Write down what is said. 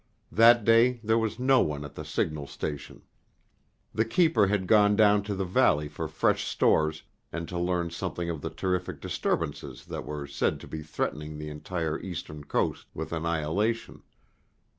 That day there was no one at the signal station. The keeper had gone down to the valley for fresh stores, and to learn something of the terrific disturbances that were said to be threatening the entire Eastern coast with annihilation.